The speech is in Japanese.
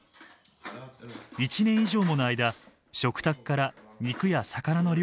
１年以上もの間食卓から肉や魚の料理が消えています。